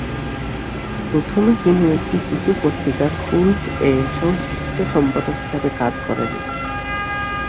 প্রথমে তিনি একটি শিশু পত্রিকা "খুনচ"-এ সংশ্লিষ্ট সম্পাদক হিসেবে কাজ করেন।